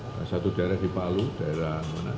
salah satu daerah di palu daerah mana